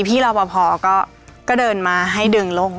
พี่เราพอก็เดินมณ์มาให้เดินลง